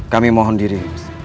kami mohon diri